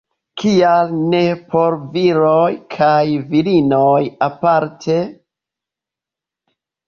Kial ne por viroj kaj virinoj aparte?